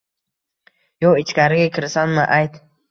Yo ichkariga kirasanmi ayt?..